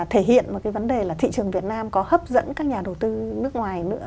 thể hiện một cái vấn đề là thị trường việt nam có hấp dẫn các nhà đầu tư nước ngoài nữa